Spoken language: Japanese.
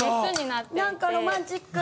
なんかロマンチック！